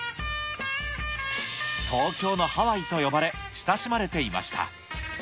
東京のハワイと呼ばれ、親しまれていました。